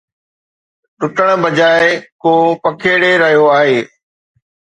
ٽٽڻ بجاءِ ڪو پکيڙي رهيو آهي